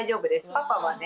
パパはね